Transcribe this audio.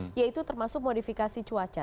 yang pertama itu termasuk modifikasi cuaca